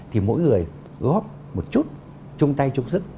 thì mỗi người góp một chút chung tay chung sức